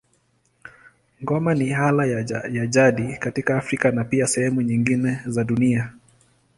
Ngoma ni ala ya jadi katika Afrika na pia sehemu nyingine za dunia.